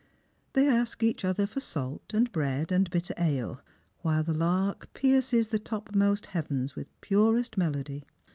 They ask each other for salt, and bread, and bitter ale, while the lark pierces the toijmost heavens with purest melody.